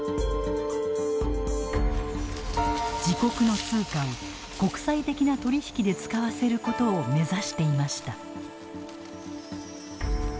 自国の通貨を国際的な取り引きで使わせることを目指していました。